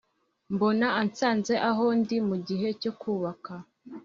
mbona ansanze aho ndi mu gihe cyo kubaka